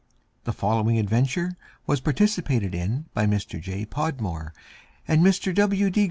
The following adventure was participated in by Mr. J. Podmore and Mr. W. D.